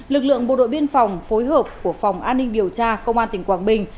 lực lượng bộ đội biên phòng phối hợp của phòng an ninh điều tra công an tỉnh quảng bình